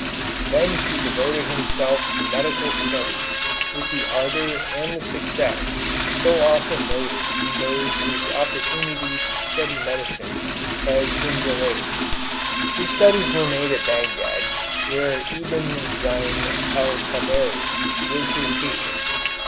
Then he devoted himself to medical studies with the ardor and the success so often noted in those whose opportunity to study medicine has been delayed. His studies were made at Bagdad, where Ibn Zein el Taberi was his teacher.